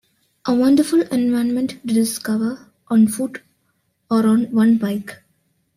A wonderful environment to discover on foot or on one bike.